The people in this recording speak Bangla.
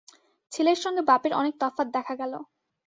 ছেলের সঙ্গে বাপের অনেক তফাত দেখা গেল।